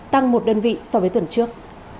tăng một đơn vị so với tuần trước